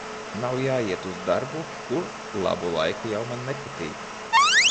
Nav jāiet uz darbu, kur labu laiku jau man nepatīk.